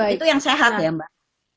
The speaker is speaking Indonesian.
itu yang sehat ya mbak